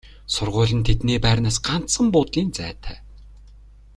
Сургууль нь тэдний байрнаас ганцхан буудлын зайтай.